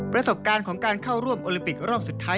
ประสบการณ์ของการเข้าร่วมโอลิมปิกรอบสุดท้าย